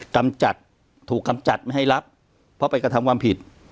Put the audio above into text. กำจัดถูกกำจัดไม่ให้รับเพราะไปกระทำความผิด